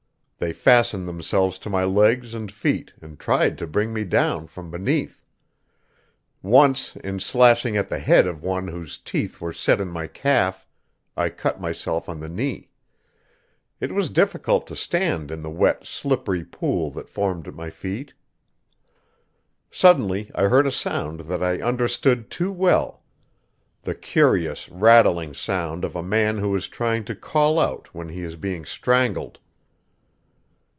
They fastened themselves to my legs and feet and tried to bring me down from beneath; once, in slashing at the head of one whose teeth were set in my calf, I cut myself on the knee. It was difficult to stand in the wet, slippery pool that formed at my feet. Suddenly I heard a sound that I understood too well the curious, rattling sound of a man who is trying to call out when he is being strangled.